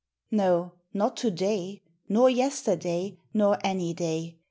No : not to day, nor yesterday, Nor any day